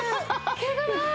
毛がない！